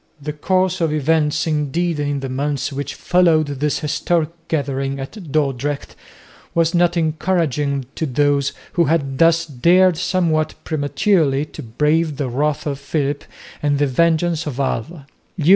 The course of events indeed in the months which followed this historic gathering at Dordrecht was not encouraging to those who had thus dared somewhat prematurely to brave the wrath of Philip and the vengeance of Alva.